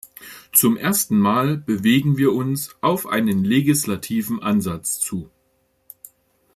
Zum ersten Mal bewegen wir uns auf einen legislativen Ansatz zu.